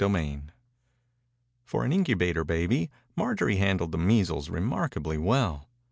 75 Ill For an incubator baby, Mar jorie handled the measles re markably well.